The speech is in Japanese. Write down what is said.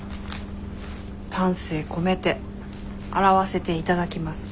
丹精込めて洗わせて頂きます。